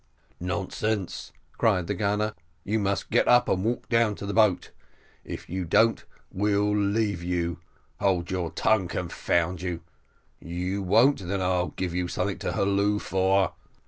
"Nonsense," cried the gunner, "you must get up and walk down to the boat; if you don't we'll leave you hold your tongue, confound you. You won't? then I'll give you something to halloo for."